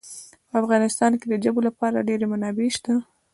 په افغانستان کې د ژبو لپاره ډېرې منابع شته دي.